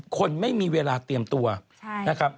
คนไม่มีเวลาเตรียมตัวนะครับ